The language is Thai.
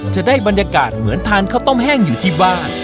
จะได้บรรยากาศเหมือนทานข้าวต้มแห้งอยู่ที่บ้าน